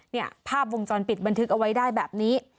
เนี่ยภาพวงจรปิดบันทึกเอาไว้ได้แบบนี้